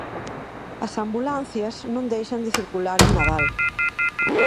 As ambulancias non deixan de circular en Nadal.